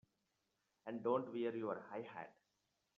And don't wear your high hat!